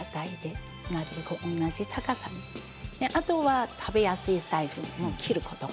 あとは食べやすいサイズに切ること。